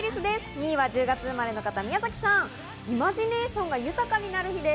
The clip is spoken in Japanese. ２位は１０月生まれの方、宮崎さんです。